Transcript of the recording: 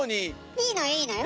いいのいいのよ。